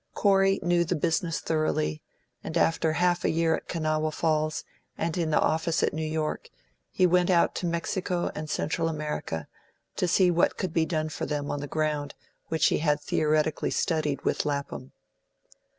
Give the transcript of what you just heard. Corey knew the business thoroughly, and after half a year at Kanawha Falls and in the office at New York, he went out to Mexico and Central America, to see what could be done for them upon the ground which he had theoretically studied with Lapham.